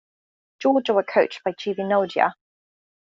Georgia were coached by Givi Nodia.